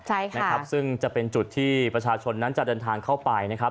ใช่ค่ะนะครับซึ่งจะเป็นจุดที่ประชาชนนั้นจะเดินทางเข้าไปนะครับ